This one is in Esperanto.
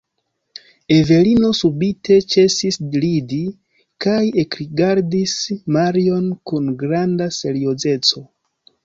Evelino subite ĉesis ridi kaj ekrigardis Marion kun granda seriozeco.